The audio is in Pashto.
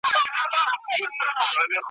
ورته پاته په میراث وو له نیکونو `